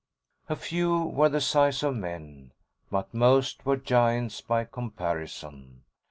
A few were the size of men, but most were giants by comparison.